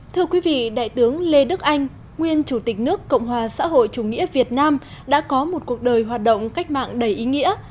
thưa quý vị đại tướng lê đức anh nguyên chủ tịch nước cộng hòa xã hội chủ nghĩa việt nam đã có một cuộc đời hoạt động cách mạng đầy ý nghĩa